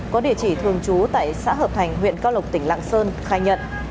có địa chỉ thường trú tại xã hợp thành huyện cao lộc tỉnh lạng sơn khai nhận